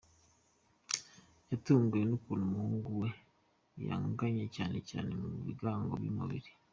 Yatunguwe n’ukuntu umuhungu we yangannye cyane cyane ku bigango by’umubiri.